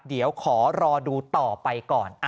เดี๋ยวขอรอดูต่อไปก่อน